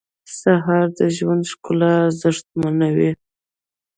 سهار د ژوند ښکلا ارزښتمنوي.